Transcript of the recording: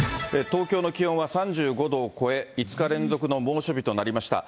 東京の気温は３５度を超え、５日連続の猛暑日となりました。